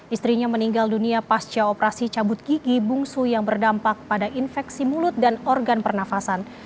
istrinya meninggal dunia pasca operasi cabut gigi bungsu yang berdampak pada infeksi mulut dan organ pernafasan